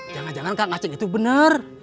jangan jangan kak acing itu benar